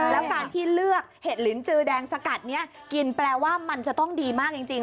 แล้วการที่เลือกเห็ดลินจือแดงสกัดนี้กินแปลว่ามันจะต้องดีมากจริง